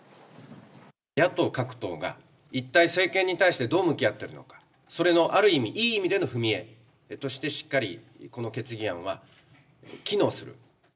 野党各党が一体政権に対してどう向き合っているのか、それのある意味、いい意味での踏み絵として、しっかりこの決議案は機能する。